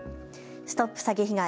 ＳＴＯＰ詐欺被害！